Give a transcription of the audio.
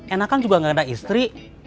enak kan juga gak ada istri